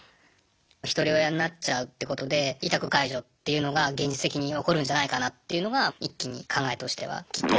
ひとり親になっちゃうってことで委託解除っていうのが現実的に起こるんじゃないかなっていうのが一気に考えとしては来て。